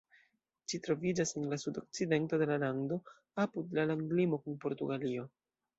Ĝi troviĝas en la sudokcidento de la lando, apud la landlimo kun Portugalio.